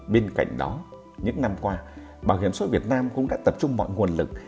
bên cạnh đó những năm qua bảo hiểm số việt nam cũng đã tập trung mọi nguồn lực